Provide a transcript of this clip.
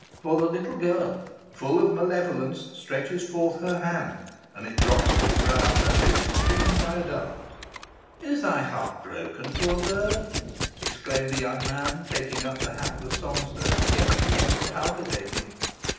For the little girl, full of malevolence, stretches forth her hand, and it drops to the ground, as if stricken by a dart. "Is thy heart broken, poor bird?" exclaimed the young man, taking up the hapless songster, yet warm and palpitating.